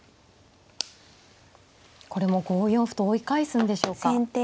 これも５四歩と追い返すんでしょうか。